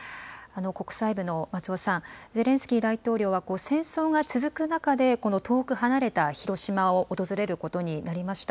国際部の松尾さん、ゼレンスキー大統領は戦争が続く中で、この遠く離れた広島を訪れることになりました。